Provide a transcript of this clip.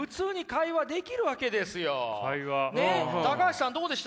高橋さんどうでした？